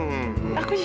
aku juga kangen